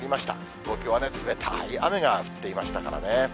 東京は冷たい雨が降っていましたからね。